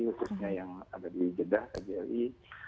khususnya yang ada di jeddah kjri